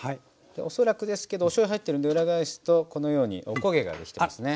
恐らくですけどおしょうゆ入ってるんで裏返すとこのようにおこげができてますね。